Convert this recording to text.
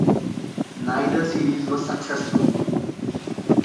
Neither series was successful.